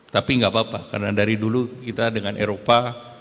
tapi nggak apa apa karena dari dulu kita dengan eropa